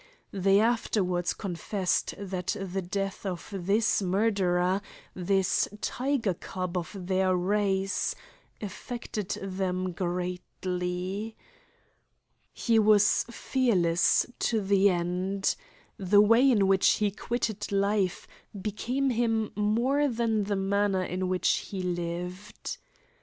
They afterwards confessed that the death of this murderer, this tiger cub of their race, affected them greatly. He was fearless to the end. The way in which he quitted life became him more than the manner in which he lived.